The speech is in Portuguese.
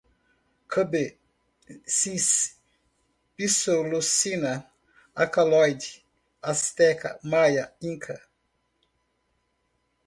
cubensis, psilocina, alcalóides, asteca, maia, inca